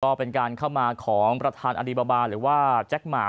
ก็เป็นการเข้ามาของประธานอดีบาบาหรือว่าแจ็คหมา